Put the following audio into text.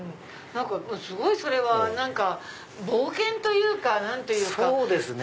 すごいそれは冒険というか何というか。